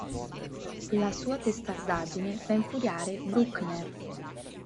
La sua testardaggine fa infuriare Bruckner.